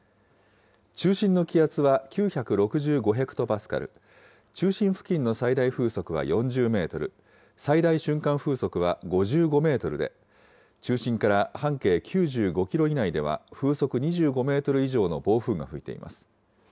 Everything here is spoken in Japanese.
中心の気圧は９６５ヘクトパスカル、中心付近の最大風速は４０メートル、最大瞬間風速は５５メートルで、中心から半径９５キロ以内では風速２５メートル以上の暴風が吹いています。